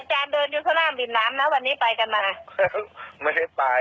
เขาเห็นต้นขั้วแล้วอาจารย์เป็นคนได้ไปรางวัลที่หนึ่งเนี่ย